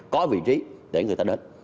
có vị trí để người ta đến